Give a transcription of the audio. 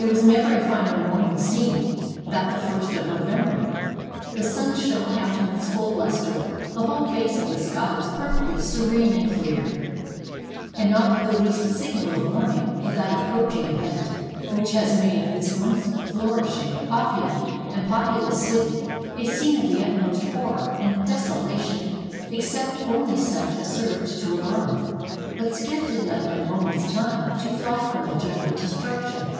] There never was a finer morning seen that the ist of November; the sun shone out in its full luster; the whole face of the sky was perfectly serene and clear; and not the least signal of warning of that approaching event, which has made this once flourishing, opulent, and popu lous city, a scene of the utmost horror and desolation, except only such as served to alarm, but scarcely left a moment's time to fly from the general destruction.